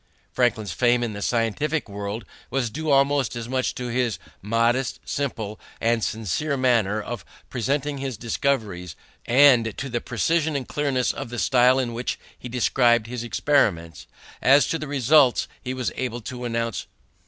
Franklin's fame in the scientific world was due almost as much to his modest, simple, and sincere manner of presenting his discoveries and to the precision and clearness of the style in which he described his experiments, as to the results he was able to announce.